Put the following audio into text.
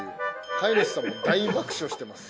飼い主さんも大爆笑してます。